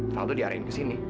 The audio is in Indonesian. kavaldo diarahin kesini